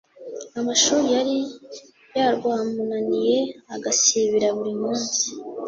amashuri yari yarwamunaniye agasibira buri munsi